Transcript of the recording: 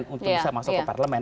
untuk bisa masuk ke parlemen